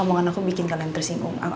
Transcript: omongan aku bikin kalian tersinggung